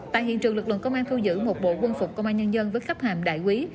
tại hiện trường lực lượng công an thu giữ một bộ quân phục công an nhân dân với khách hàm đại quý